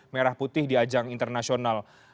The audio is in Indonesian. merah putih di ajang internasional